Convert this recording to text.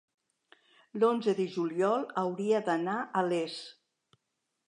l'onze de juliol hauria d'anar a Les.